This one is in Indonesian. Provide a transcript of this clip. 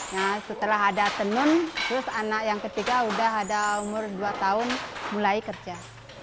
nah setelah ada tenun terus anak yang ketiga udah ada umur dua tahun mulai kerja